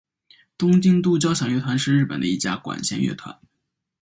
东京都交响乐团是日本的一家管弦乐团。